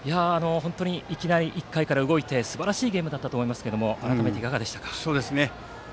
いきなり１回から動いてすばらしいゲームだったと思いますが改めていかがでしたか。